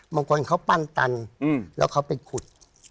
บางคนเขาปั้นตันแล้วเขาไปขุด